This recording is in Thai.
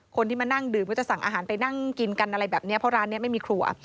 คนที่มานั่งดื่มเพื่อจะสั่งอาหารไปนั่งกินกันอะไรแบบนี้เพราะร้านนี้ไม่มีครัว